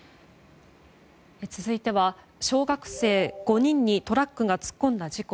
続いては、小学生５人にトラックが突っ込んだ事故。